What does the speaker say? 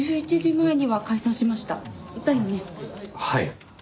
はい。